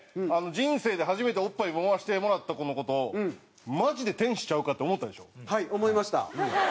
人生で初めておっぱい揉ませてもらった子の事をマジで天使ちゃうかって思ったでしょ？